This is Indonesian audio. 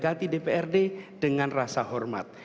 kami akan mendekati dprd dengan rasa hormat